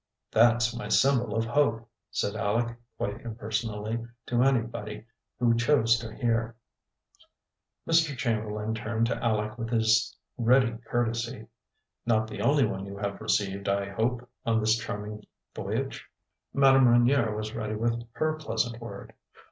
"That's my symbol of hope," said Aleck quite impersonally, to anybody who chose to hear. Mr. Chamberlain turned to Aleck with his ready courtesy. "Not the only one you have received, I hope, on this charming voyage." Madame Reynier was ready with her pleasant word.